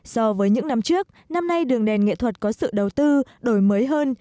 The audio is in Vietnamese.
so với những năm trước năm nay đường đèn nghệ thuật có sự đầu tư đổi mới hơn